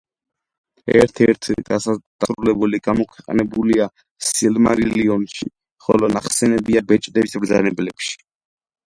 ერთ-ერთი დასრულებული გამოქვეყნებულია „სილმარილიონში“, ხოლო ნახსენებია „ბეჭდების მბრძანებელში“.